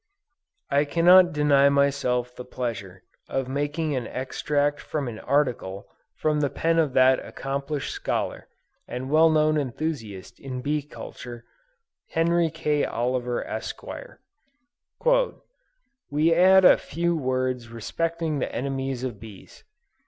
I cannot deny myself the pleasure of making an extract from an article from the pen of that accomplished scholar, and well known enthusiast in bee culture, Henry K. Oliver, Esq. "We add a few words respecting the enemies of bees.